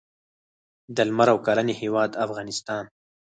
د لمر او کرنې هیواد افغانستان.